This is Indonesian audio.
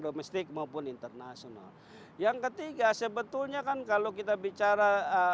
domestik maupun internasional yang ketiga sebetulnya kan kalau kita bicara